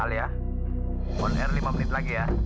on air lima menit lagi ya